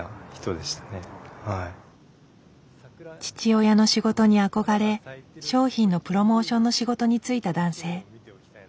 父親の仕事に憧れ商品のプロモーションの仕事に就いた男性。